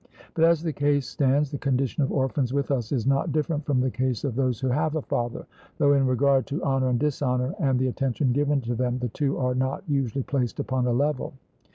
But as the case stands, the condition of orphans with us is not different from the case of those who have a father, though in regard to honour and dishonour, and the attention given to them, the two are not usually placed upon a level.